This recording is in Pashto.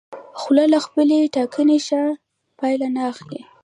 خو له خپلې ټاکنې ښه پایله نه اخلي.